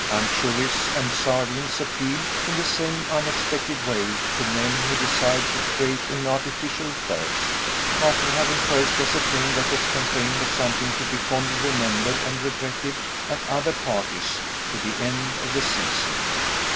Anchovies and sardines appealed, in the same unexpected way, to men who desired to create an artificial thirst after having first ascertained that the champagne was something to be fondly remembered and regretted, at other parties, to the end of the season.